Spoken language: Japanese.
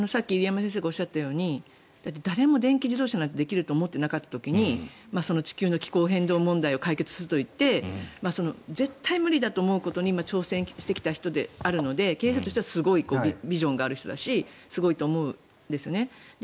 さっき入山先生がおっしゃったように誰も電気自動車なんてできると思っていなかったときに地球の気候変動問題を解決するといって絶対無理だと思うことに挑戦してきたので経営者としてはビジョンがあるしすごいと思うんですね。